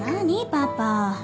パパ。